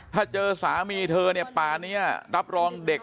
ถ้าเจอสามีเธอเนี่ยป่านี้รับรองเด็ก